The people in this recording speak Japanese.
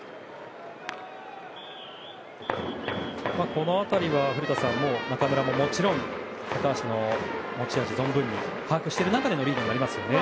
この辺りは古田さん、中村ももちろん高橋の持ち味を存分に把握している中でのリードになりますよね。